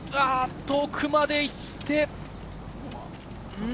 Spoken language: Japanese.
奥まで行って。